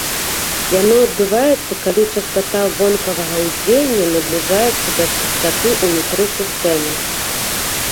Яно адбываецца, калі частата вонкавага ўздзеяння набліжаецца да частаты ўнутры сістэмы.